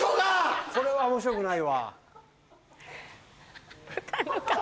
これは面白くないわ。